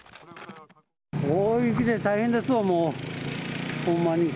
大雪で大変ですわ、もう、ほんまに。